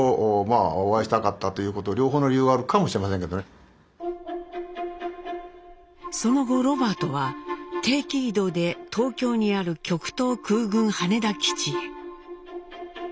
それからその後ロバートは定期異動で東京にある極東空軍羽田基地へ。